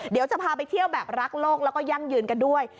เดี๋ยวจะพาไปเที่ยวแบบรักโลกแล้วก็ยั่งยืนกันด้วย